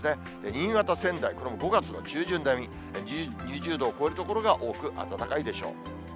新潟、仙台、これも５月の中旬並み、２０度を超える所が多く暖かいでしょう。